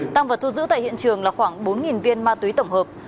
tăng vật thu giữ tại hiện trường là khoảng bốn viên ma túy tổng hợp